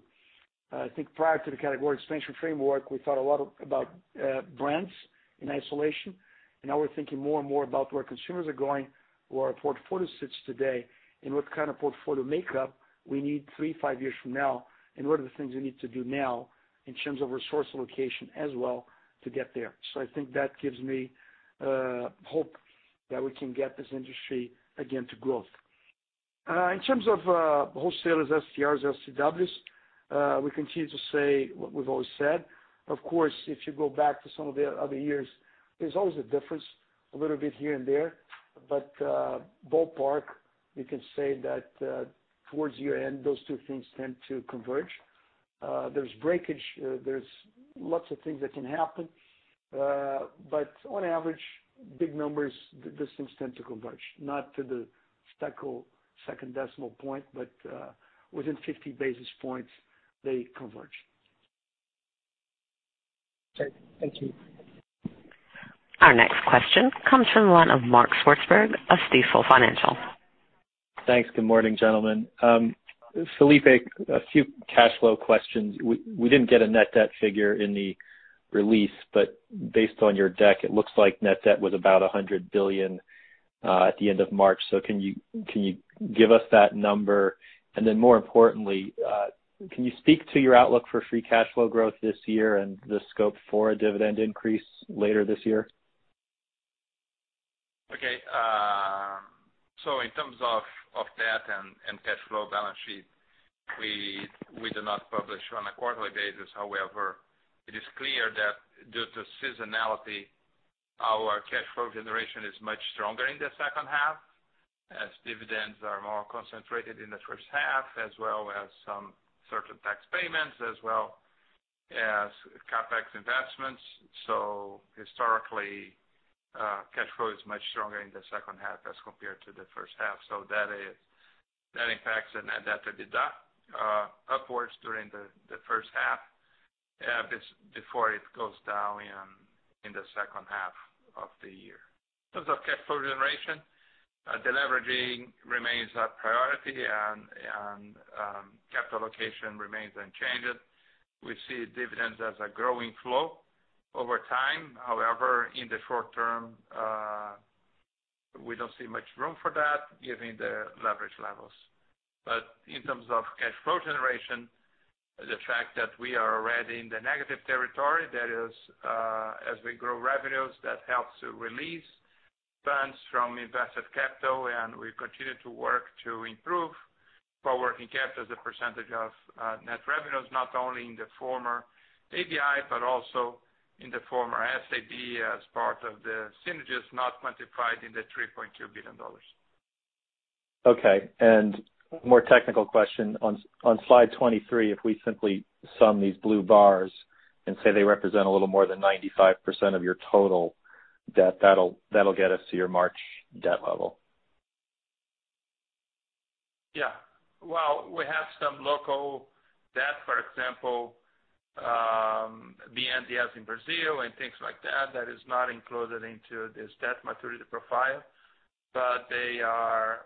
I think prior to the category expansion framework, we thought a lot about brands in isolation, now we're thinking more and more about where consumers are going, where our portfolio sits today, what kind of portfolio makeup we need three, five years from now, what are the things we need to do now in terms of resource allocation as well to get there. I think that gives me hope that we can get this industry again to growth. In terms of wholesalers, STRs, STWs, we continue to say what we've always said. Of course, if you go back to some of the other years, there's always a difference, a little bit here and there. Ballpark, you can say that towards year-end, those two things tend to converge. There's breakage, there's lots of things that can happen. On average, big numbers, these things tend to converge. Not to the second decimal point, but within 50 basis points, they converge. Okay. Thank you. Our next question comes from the line of Mark Swartzberg of Stifel Financial. Thanks. Good morning, gentlemen. Felipe, a few cash flow questions. We didn't get a net debt figure in the release, but based on your deck, it looks like net debt was about $100 billion at the end of March. Can you give us that number? More importantly, can you speak to your outlook for free cash flow growth this year and the scope for a dividend increase later this year? Okay. In terms of debt and cash flow balance sheet, we do not publish on a quarterly basis. However, it is clear that due to seasonality, our cash flow generation is much stronger in the second half as dividends are more concentrated in the first half, as well as some certain tax payments, as well as CapEx investments. Historically, cash flow is much stronger in the second half as compared to the first half. That impacts the net debt upwards during the first half before it goes down in the second half of the year. In terms of cash flow generation, deleveraging remains a priority and capital allocation remains unchanged. We see dividends as a growing flow over time. However, in the short term, we don't see much room for that given the leverage levels. In terms of cash flow generation, the fact that we are already in the negative territory, that is as we grow revenues, that helps to release funds from invested capital, and we continue to work to improve working capital as a percentage of net revenues, not only in the former ABI, but also in the former SAB as part of the synergies not quantified in the $3.2 billion. Okay. More technical question. On slide 23, if we simply sum these blue bars and say they represent a little more than 95% of your total debt, that will get us to your March debt level. Yeah. Well, we have some local debt, for example, BNDES in Brazil and things like that is not included into this debt maturity profile. They are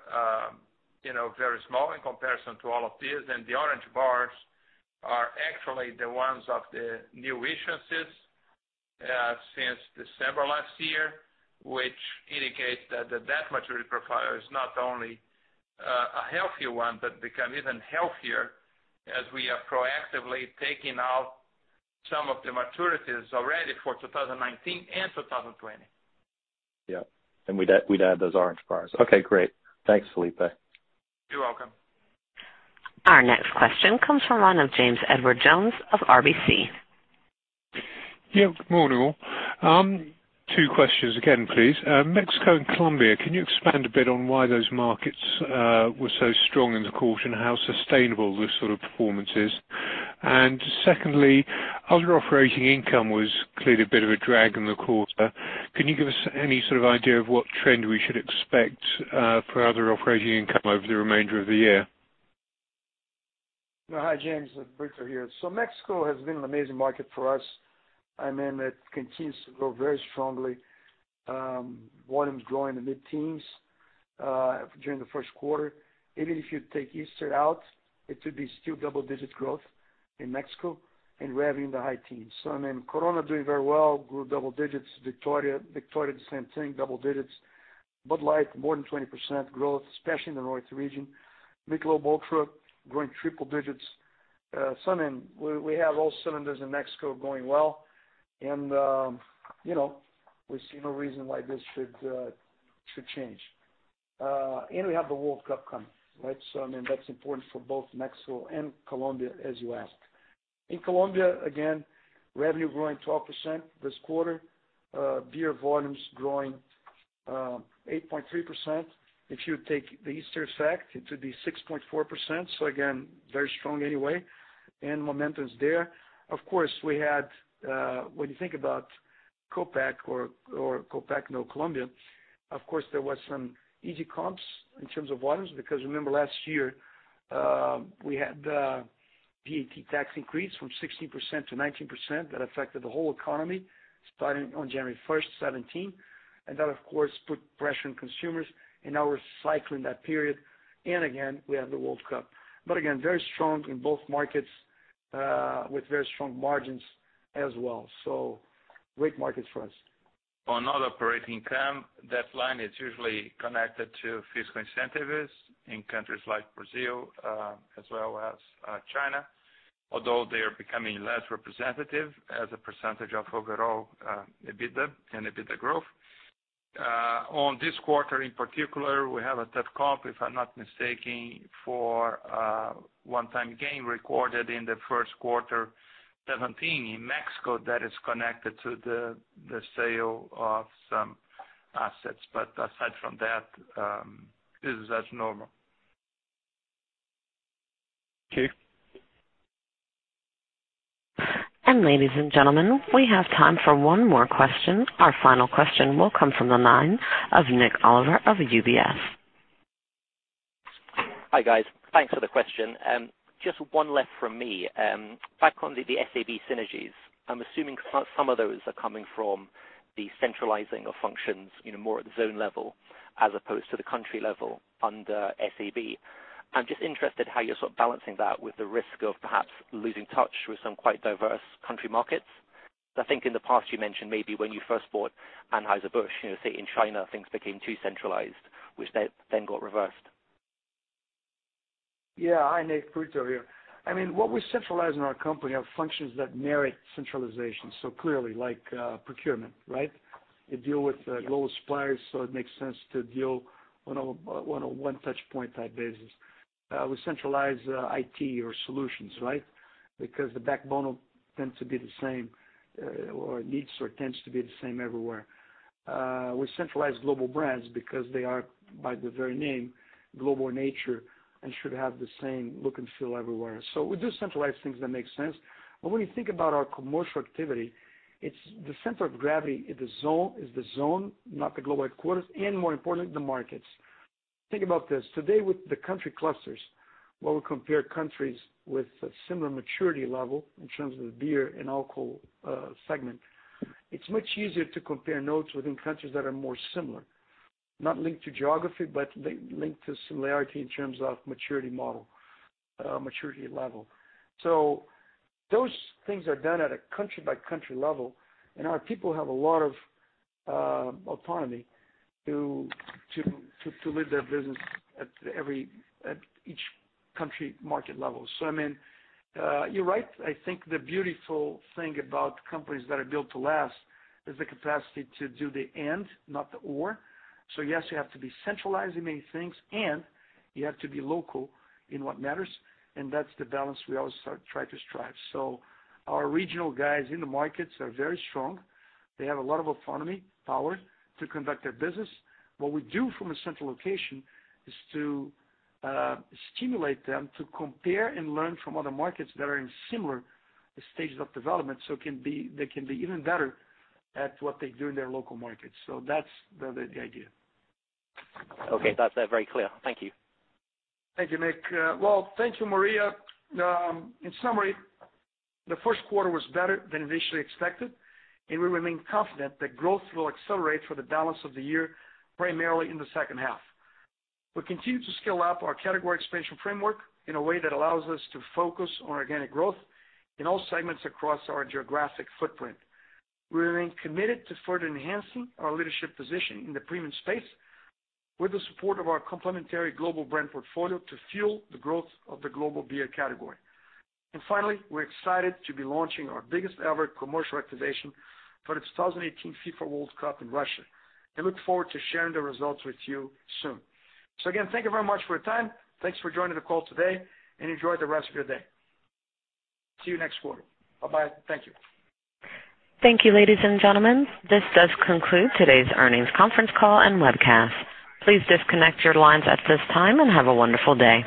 very small in comparison to all of these. The orange bars are actually the ones of the new issuances since December last year, which indicates that the debt maturity profile is not only a healthier one, but become even healthier as we are proactively taking out some of the maturities already for 2019 and 2020. Yeah. We'd add those orange bars. Okay, great. Thanks, Felipe. You're welcome. Our next question comes from the line of James Edwardes Jones of RBC. Good morning, all. two questions again, please. Mexico and Colombia, can you expand a bit on why those markets were so strong in the quarter and how sustainable this sort of performance is? Secondly, other operating income was clearly a bit of a drag in the quarter. Can you give us any sort of idea of what trend we should expect for other operating income over the remainder of the year? Hi, James. It's Brito here. Mexico has been an amazing market for us. It continues to grow very strongly. Volumes growing in the mid-teens during the first quarter. Even if you take Easter out, it should be still double-digit growth in Mexico and revenue in the high teens. Corona doing very well, grew double digits. Victoria, the same thing, double digits. Bud Light, more than 20% growth, especially in the north region. Michelob ULTRA growing triple digits. We have all cylinders in Mexico going well, and we see no reason why this should change. We have the World Cup coming, right? That's important for both Mexico and Colombia, as you asked. In Colombia, again, revenue growing 12% this quarter. Beer volumes growing 8.3%. If you take the Easter effect, it should be 6.4%. Again, very strong anyway, and momentum is there. When you think about COPAC or COPAC in Colombia, there were some easy comps in terms of volumes, because remember last year, we had the VAT tax increase from 16% to 19% that affected the whole economy starting on January 1st 2017. That, of course, put pressure on consumers. Now we're cycling that period. Again, we have the World Cup. Again, very strong in both markets with very strong margins as well. Great markets for us. On other operating income, that line is usually connected to fiscal incentives in countries like Brazil as well as China, although they are becoming less representative as a percentage of overall EBITDA and EBITDA growth. On this quarter in particular, we have a tough comp, if I'm not mistaken, for a one-time gain recorded in the first quarter 2017 in Mexico that is connected to the sale of some assets. Aside from that, business as normal. Okay. Ladies and gentlemen, we have time for one more question. Our final question will come from the line of Nik Oliver of UBS. Hi, guys. Thanks for the question. Just one left from me. Back on the SABMiller synergies, I'm assuming some of those are coming from the centralizing of functions more at the zone level as opposed to the country level under SABMiller. I'm just interested how you're sort of balancing that with the risk of perhaps losing touch with some quite diverse country markets. I think in the past you mentioned maybe when you first bought Anheuser-Busch, say in China, things became too centralized, which got reversed. Hi, Nik. Brito here. What we centralize in our company are functions that merit centralization. Clearly, like procurement, right? You deal with global suppliers, so it makes sense to deal on a one touch point type basis. We centralize IT or solutions, right? Because the backbone tends to be the same or tends to be the same everywhere. We centralize global brands because they are, by their very name, global in nature and should have the same look and feel everywhere. We do centralize things that make sense. When you think about our commercial activity, the center of gravity is the zone, not the global headquarters, and more importantly, the markets. Think about this. Today with the country clusters, where we compare countries with a similar maturity level in terms of beer and alcohol segment, it's much easier to compare notes within countries that are more similar. Not linked to geography, but linked to similarity in terms of maturity level. Those things are done at a country-by-country level, and our people have a lot of autonomy to live their business at each country market level. You're right. I think the beautiful thing about companies that are built to last is the capacity to do the and not the or. Yes, you have to be centralizing many things, and you have to be local in what matters, and that's the balance we always try to strive. Our regional guys in the markets are very strong. They have a lot of autonomy, power to conduct their business. What we do from a central location is to stimulate them to compare and learn from other markets that are in similar stages of development, so they can be even better at what they do in their local markets. That's the idea. Okay. That's very clear. Thank you. Thank you, Nik. Well, thank you, Maria. In summary, the first quarter was better than initially expected, and we remain confident that growth will accelerate for the balance of the year, primarily in the second half. We continue to scale up our category expansion framework in a way that allows us to focus on organic growth in all segments across our geographic footprint. We remain committed to further enhancing our leadership position in the premium space with the support of our complementary global brand portfolio to fuel the growth of the global beer category. Finally, we're excited to be launching our biggest-ever commercial activation for the 2018 FIFA World Cup in Russia and look forward to sharing the results with you soon. Again, thank you very much for your time. Thanks for joining the call today, and enjoy the rest of your day. See you next quarter. Bye-bye. Thank you. Thank you, ladies and gentlemen. This does conclude today's earnings conference call and webcast. Please disconnect your lines at this time and have a wonderful day.